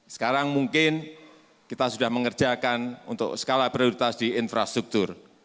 sekarang mungkin kita sudah mengerjakan untuk skala prioritas di infrastruktur